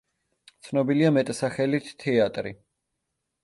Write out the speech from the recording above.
ცნობილია მეტსახელით „თეატრი“.